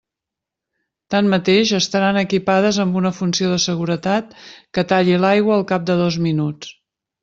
Tanmateix, estaran equipades amb una funció de seguretat que talli l'aigua al cap de dos minuts.